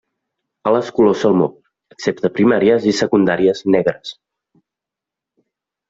Ales color salmó, excepte primàries i secundàries, negres.